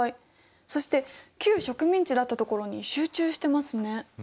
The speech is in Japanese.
そして旧植民地だったところに集中してますね。